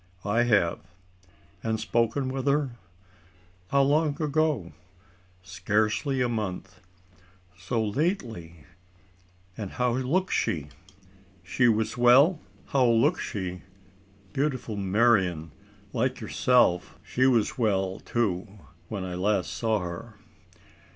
"I have." "And spoken with her? How long ago?" "Scarcely a month." "So lately! And how looks she? She was well!" "How looks she? Beautiful, Marian, like yourself. She was well, too, when I last saw her."